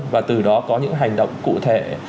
và từ đó có những hành động cụ thể